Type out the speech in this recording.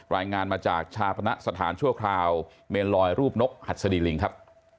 รายงานมาจากชาปณะสถานชั่วคราวเมนลอยรูปนกหัดสดีลิงครับ